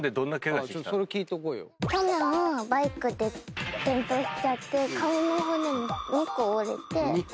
去年バイクで転倒しちゃって顔の骨２個折れて。